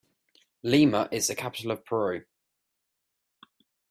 Lima is the capital of Peru.